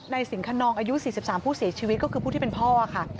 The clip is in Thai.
สิงคนนองอายุ๔๓ผู้เสียชีวิตก็คือผู้ที่เป็นพ่อค่ะ